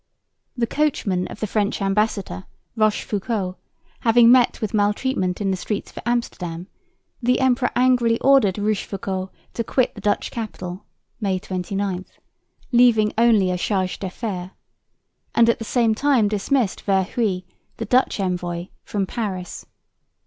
The coachman of the French ambassador, Rochefoucault, having met with maltreatment in the streets of Amsterdam, the emperor angrily ordered Rochefoucault to quit the Dutch capital (May 29), leaving only a chargé d'affaires, and at the same time dismissed Verhuell, the Dutch envoy, from Paris.